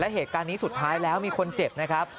เหตุการณ์นี้สุดท้ายแล้วมีคนเจ็บนะครับ